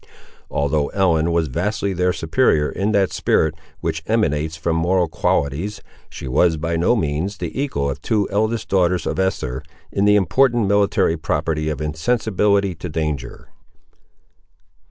Although Ellen was vastly their superior in that spirit which emanates from moral qualities, she was by no means the equal of the two eldest daughters of Esther, in the important military property of insensibility to danger.